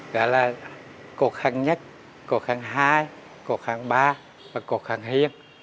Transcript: gọi là cột hàng nhất cột hàng hai cột hàng ba và cột hàng hiên